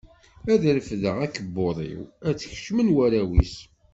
Ad refdeɣ akebbuḍ-iw, ad tt-kecmen warraw-is.